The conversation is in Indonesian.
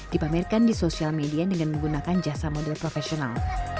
dipamerkan di sosial media dengan menggunakan jasa model profesional